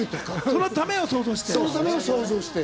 そのためを想像して。